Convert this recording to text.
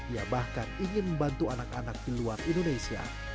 ia bahkan ingin membantu anak anak di luar indonesia